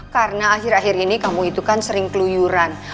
karena akhir akhir ini kamu itu kan sering keluyuran